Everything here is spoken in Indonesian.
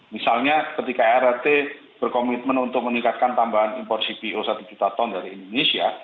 misalnya ketika rrt berkomitmen untuk meningkatkan tambahan impor cpo satu juta ton dari indonesia